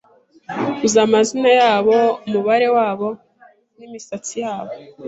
Uzi amazina yabo umubare wabo n' imisatsi yabo